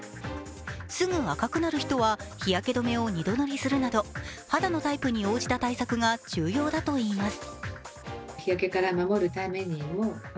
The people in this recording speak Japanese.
すぐ赤くなる人は日焼け止めを２度塗りするなど、肌のタイプに応じた対策が重要だといいます。